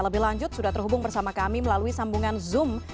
lebih lanjut sudah terhubung bersama kami melalui sambungan zoom